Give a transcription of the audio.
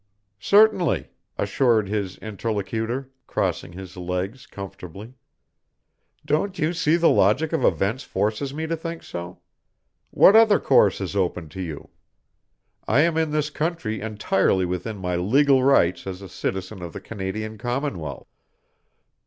"Certainly," assured his interlocutor, crossing his legs comfortably. "Don't you see the logic of events forces me to think so? What other course is open to you? I am in this country entirely within my legal rights as a citizen of the Canadian Commonwealth.